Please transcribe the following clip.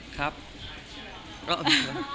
ขอบคุณครับ